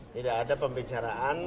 tidak ada pembicaraan